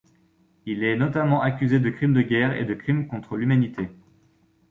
Il est notamment accusé de crimes de guerre et de crimes contre l’humanité.